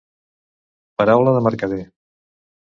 Paraula de mercader.